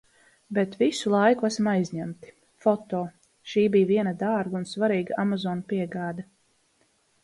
Bet visu laiku esam aizņemti. Foto. Šī bija viena dārga un svarīga Amazon piegāde.